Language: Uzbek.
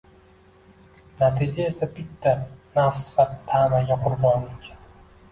Natija esa bitta: nafs va tamaga qurbonlik.